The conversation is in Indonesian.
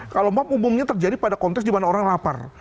kalau map umumnya terjadi pada konteks di mana orang lapar